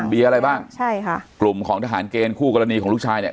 มีอะไรบ้างใช่ค่ะกลุ่มของทหารเกณฑ์คู่กรณีของลูกชายเนี่ย